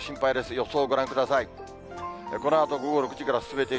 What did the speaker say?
予想をご覧ください。